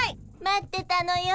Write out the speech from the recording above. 待ってたのよ。